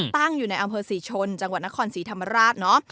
ตั้งอยู่ในอำเภอศรีชนจังหวัดนครศรีธรรมราชเนาะ